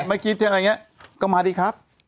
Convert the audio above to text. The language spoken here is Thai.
เมื่อกี้ที่อะไรอย่างนี้ก็มาดีครับ